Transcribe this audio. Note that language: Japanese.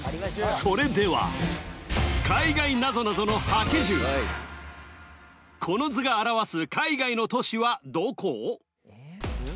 それではこの図が表す海外の都市はどこ？